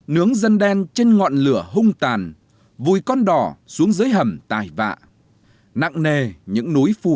nướng dân đen trên ngọn lửa hung tàn vùi con đỏ xuống dưới hầm tài vạ nặng nề những núi phu